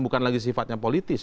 bukan lagi sifatnya politis